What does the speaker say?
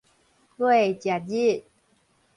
月食日